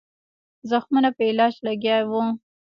زخمونو په علاج لګیا وو.